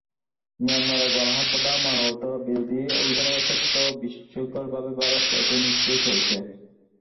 মিয়ানমারের গণহত্যা বা মানবতাবিরোধী অভিযানের ক্ষেত্রেও বিস্ময়করভাবে ভারত একই নীতিতে চলছে।